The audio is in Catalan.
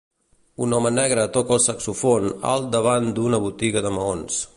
Un home negre toca el saxofon alt davant d'una botiga de maons.